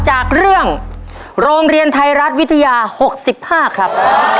จากเรื่องโรงเรียนไทยรัฐวิทยา๖๕ครับ